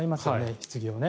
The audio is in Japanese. ひつぎをね。